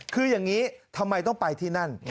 คืออย่างนี้ทำไมต้องไปที่นั่น